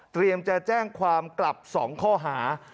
เตรียมจะแจ้งความกลับสองข้อหา